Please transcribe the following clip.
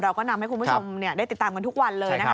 เราก็นำให้คุณผู้ชมได้ติดตามกันทุกวันเลยนะคะ